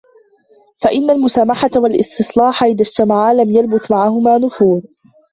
فَإِنَّ الْمُسَامَحَةَ وَالِاسْتِصْلَاحَ إذَا اجْتَمَعَا لَمْ يَلْبَثْ مَعَهُمَا نُفُورٌ